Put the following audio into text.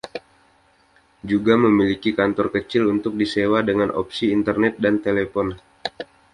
Juga memiliki kantor kecil untuk disewa dengan opsi Internet dan telepon.